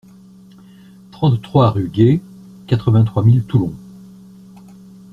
trente-trois rue Gueit, quatre-vingt-trois mille Toulon